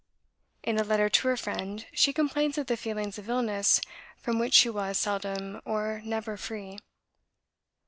In a letter to her friend she complains of the feelings of illness from which she was seldom or never free.